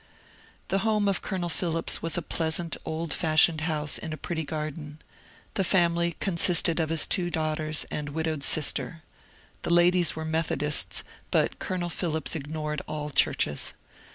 The home of Colonel Phillips was a pleasant old fashioned house in a pretty garden. The family consisted of his two daughters and widowed sister. The ladies were Methodists, but Colonel Phillips ignored all churches.